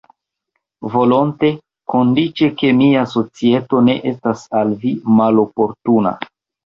Volonte, kondiĉe ke mia societo ne estas al vi maloportuna.